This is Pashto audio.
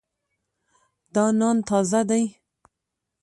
دا نان تازه دی.